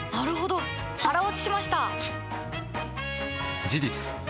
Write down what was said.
腹落ちしました！